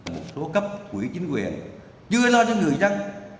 một số cấp quỹ chính quyền chưa lo cho người dân